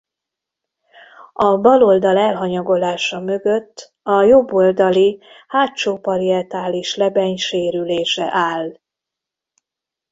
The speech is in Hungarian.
A bal oldal elhanyagolása mögött a jobb oldali hátsó parietális lebeny sérülése áll.